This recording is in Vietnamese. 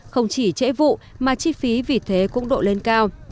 không chỉ trễ vụ mà chi phí vì thế cũng độ lên cao